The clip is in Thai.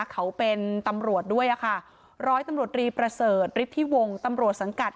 เขาเป็นตำรวจด้วยอะค่ะร้อยตำรวจรีประเสริฐฤทธิวงศ์ตำรวจสังกัด